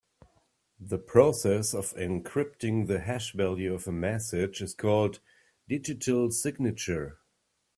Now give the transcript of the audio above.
The process of encrypting the hash value of a message is called digital signature.